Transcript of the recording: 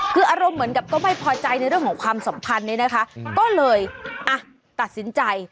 คืออารมณ์เหมือนกับก็ไม่พอใจในเรื่องของความสัมพันธ์นี้นะคะก็เลยอ่ะตัดสินใจ